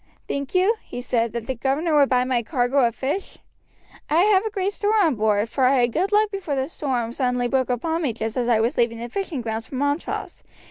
"Think you," he said, "that the governor would buy my cargo of fish. I have a great store on board, for I had good luck before the storm suddenly broke upon me just as I was leaving the fishing grounds for Montrose.